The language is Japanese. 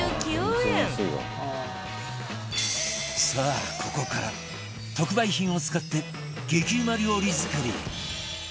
さあここから特売品を使って激うま料理作り